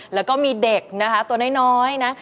แล้วก็มีเด็กนะคะตัวน้อยนะ